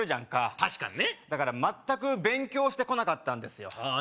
確かにね全く勉強してこなかったんですよああ